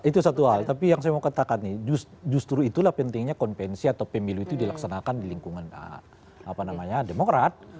itu satu hal tapi yang saya mau katakan nih justru itulah pentingnya konvensi atau pemilu itu dilaksanakan di lingkungan demokrat